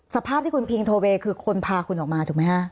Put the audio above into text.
สภาพที่คุณพิงโทเวย์คือคนพาคุณออกมาถูกไหมฮะ